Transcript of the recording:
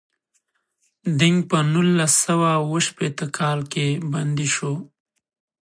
دینګ په نولس سوه اووه شپیته کال کې بندي شو.